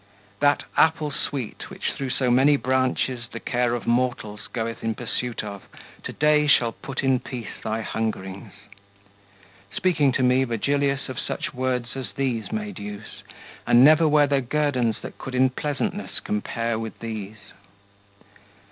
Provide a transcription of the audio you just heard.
"That apple sweet, which through so many branches The care of mortals goeth in pursuit of, To day shall put in peace thy hungerings." Speaking to me, Virgilius of such words As these made use; and never were there guerdons That could in pleasantness compare with these.